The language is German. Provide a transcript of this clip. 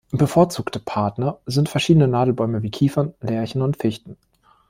Bevorzugte Partner sind verschiedene Nadelbäume wie Kiefern, Lärchen und Fichten.